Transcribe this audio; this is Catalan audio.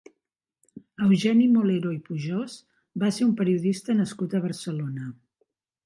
Eugeni Molero i Pujós va ser un periodista nascut a Barcelona.